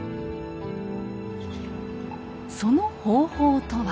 その方法とは。